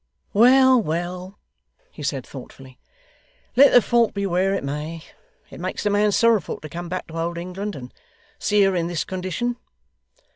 'Well, well,' he said thoughtfully; 'let the fault be where it may, it makes a man sorrowful to come back to old England, and see her in this condition.